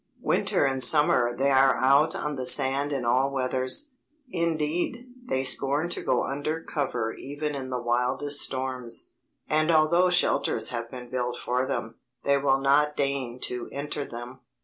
Winter and summer they are out on the sand in all weathers. Indeed, they scorn to go under cover even in the wildest storms; and although shelters have been built for them, they will not deign to enter them.